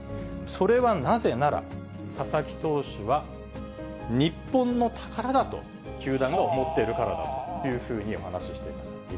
それはなぜなら、佐々木投手は日本の宝だと、球団が思ってるからだというふうにお話していました。